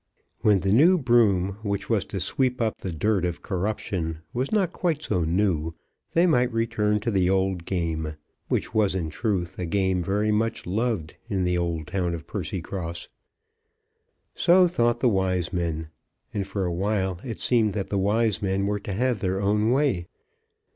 When the new broom which was to sweep up the dirt of corruption was not quite so new, they might return to the old game, which was, in truth, a game very much loved in the old town of Percycross. So thought the wise men, and for a while it seemed that the wise men were to have their own way.